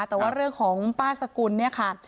แต่ว่าเรื่องของป้าสกุลเนี่ยค่ะ